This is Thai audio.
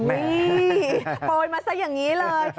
นี่โปรยมาซะอย่างนี้เลย